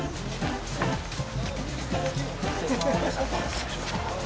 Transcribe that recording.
失礼します。